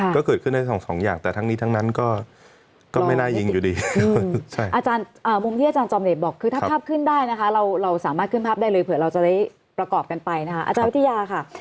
ก็จะประกอบกันไปนะครับอาจารย์วิทยาค่ะ